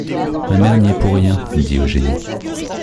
Ma mère n’y est pour rien, dit Eugénie.